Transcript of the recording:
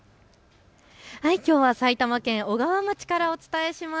きょうは埼玉県小川町からお伝えします。